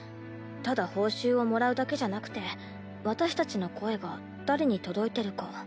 ただ報酬をもらうだけじゃなくて私たちの声が誰に届いてるか。